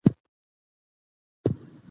جوړ پسرلی دي اغزی اغزی سو